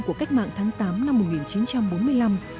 của cách mạng tháng tám năm một nghìn chín trăm bốn mươi năm